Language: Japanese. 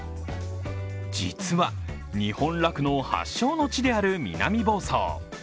実は、日本酪農発祥の地である南房総。